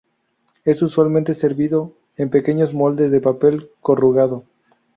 Es usualmente servido en pequeños moldes de papel corrugado.